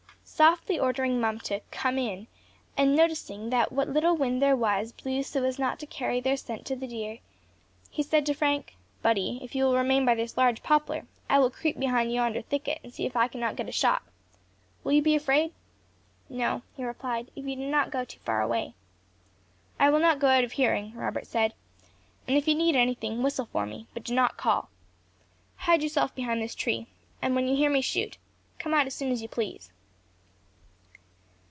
Softly ordering Mum to "come in," and noticing that what little wind there was blew so as not to carry their scent to the deer, he said to Frank, "Buddy, if you will remain by this large poplar, I will creep behind yonder thicket, and see if I cannot get a shot. Will you be afraid?" "No," he replied, "if you do not go too far away." "I will not go out of hearing," Robert said, "and if you need anything, whistle for me, but do not call. Hide yourself behind this tree, and when you hear me shoot, come as soon as you please."